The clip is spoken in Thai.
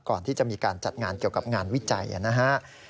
ก่อนที่จะมีการจัดงานเกี่ยวกับงานวิจัยนะฮะ